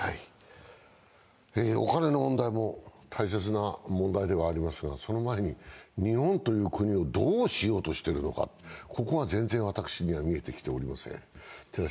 お金の問題も大切な問題ではありますがその前に日本という国をどうしようとしているのか、ここが全然、私には見えてきていません。